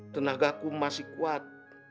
tenagaku masih kuat